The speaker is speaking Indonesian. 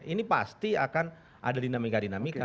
ini pasti akan ada dinamika dinamika